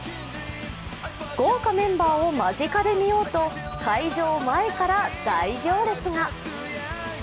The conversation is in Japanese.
豪華メンバーを間近で見ようと開場前から大行列が。